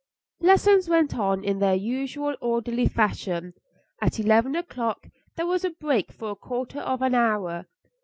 Lessons went on in their usual orderly fashion. At eleven o'clock there was a break for a quarter of an hour.